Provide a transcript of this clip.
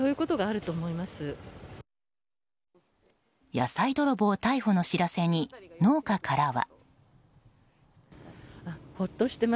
野菜泥棒逮捕の知らせに農家からは。